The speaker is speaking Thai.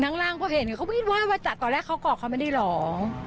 คนทางล่างพอเห็นเขาไม่คิดว่าจับตอนแรกเขากอบเขาไม่ได้หรอก